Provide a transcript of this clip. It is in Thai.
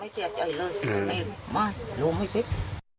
ไม่เห็นจะได้นะ